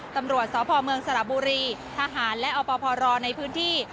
ตำรวจสพเมืองสระบุรีทหารและอปพรในพื้นที่